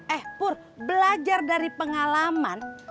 eh pur belajar dari pengalaman